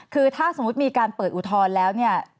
คือถ้าสมมุติมีการเปิดอุทธรณ์แล้วเนี่ย